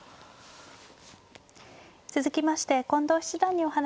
続きまして近藤七段にお話を伺います。